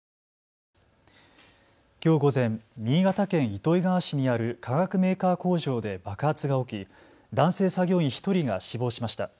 きょう午前、新潟県糸魚川市にある化学メーカー工場で爆発が起き、男性作業員１人が死亡しました。